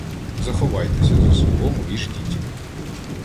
— Заховайтеся за солому і ждіть.